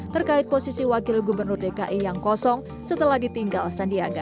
terkait posisi wakil gubernur dki yang kosong setelah ditinggal sandiaga